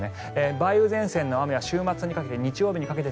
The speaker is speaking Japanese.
梅雨前線の雨は週末にかけて日曜日にかけて